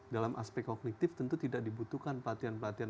dalam aspek kognitif tentu tidak dibutuhkan pelatihan pelatihan